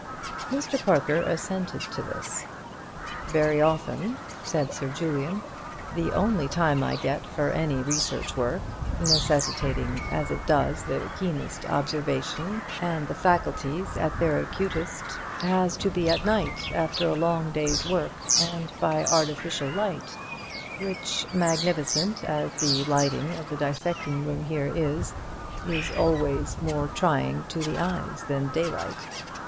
Mr. Parker assented to this. "Very often," said Sir Julian, "the only time I get for any research work—necessitating as it does the keenest observation and the faculties at their acutest—has to be at night, after a long day's work and by artificial light, which, magnificent as the lighting of the dissecting room here is, is always more trying to the eyes than daylight.